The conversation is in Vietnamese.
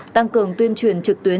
tăng cường tuyên truyền trực tuyến